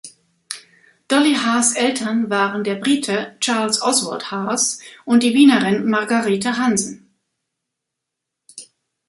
Dolly Haas’ Eltern waren der Brite Charles Oswald Haas und die Wienerin Margarete Hansen.